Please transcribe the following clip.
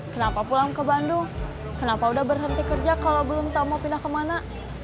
kenapa pulang ke bandung kenapa udah berhenti kerja kalau belum tahu mau pindah kemana